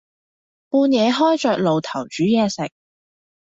半夜開着爐頭煮嘢食